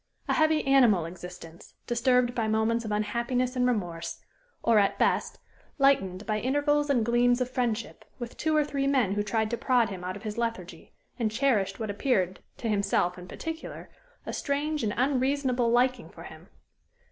A heavy animal existence, disturbed by moments of unhappiness and remorse, or, at best, lightened by intervals and gleams of friendship with two or three men who tried to prod him out of his lethargy, and cherished what appeared, to himself in particular, a strange and unreasonable liking for him.